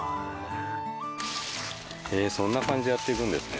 そんな感じでやっていくんですね。